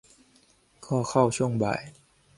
ก็เข้าช่วงบ่าย